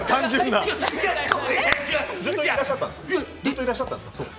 ずっといらっしゃったんですか。